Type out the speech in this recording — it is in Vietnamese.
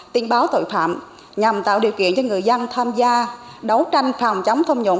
tin báo tội phạm nhằm tạo điều kiện cho người dân tham gia đấu tranh phòng chống thâm nhũng